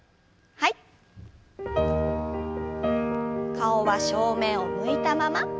顔は正面を向いたまま。